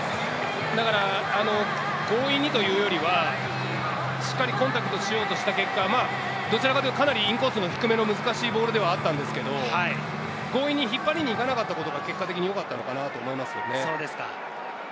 だから強引にというよりは、しっかりコンタクトしようとした結果、インコースの低めのボールではあったんですけれど、強引に引っ張りにいかなかったことが、結果的によかったと思います。